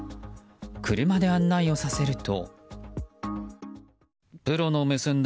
車で案内をさせると。